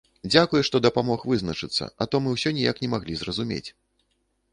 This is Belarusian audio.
Дзякуй, што дапамог вызначыцца, а то мы ўсё ніяк не маглі зразумець.